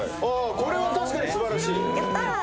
これは確かに素晴らしいやった！